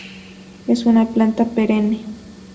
Es una planta perenne;.